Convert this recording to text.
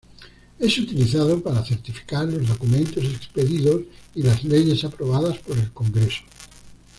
Es utilizado para certificar los documentos expedidos y las leyes aprobadas por el Congreso.